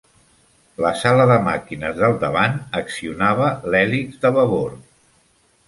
La sala de màquines del davant accionava l'hèlix de babord.